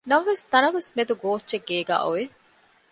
ނަމަވެސް ތަނަވަސް މެދު ގޯއްޗެއް ގޭގައި އޮވެ